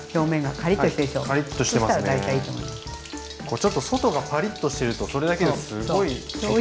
ちょっと外がパリッとしてるとそれだけですごい。